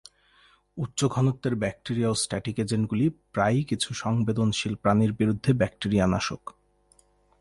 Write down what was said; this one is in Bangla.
উচ্চ ঘনত্বের ব্যাকটেরিয়াওস্ট্যাটিক এজেন্টগুলি প্রায়ই কিছু সংবেদনশীল প্রাণীর বিরুদ্ধে ব্যাকটেরিয়ানাশক।